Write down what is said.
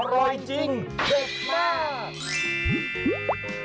อร่อยจริงเด็ดมาก